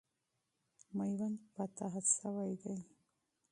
میوند فتح سوی دی.